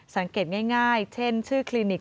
สังเกตง่ายเช่นชื่อคลินิก